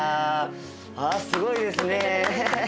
すごいですね。